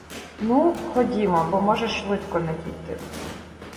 Ну, ходімо, бо може швидко надійти.